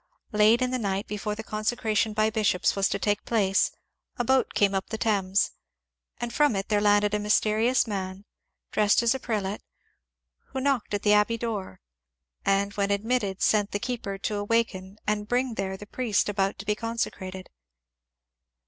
Late in the night before the consecra tion by bishops was to take place a boat came up the Thames, and from it there landed a mysterious man, dressed as a prelate, who knocked at the Abbey door, and when admitted sent the keeper to awaken and bring there the priest about to be con secrated.